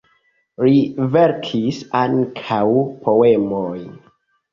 Li verkis ankaŭ poemojn.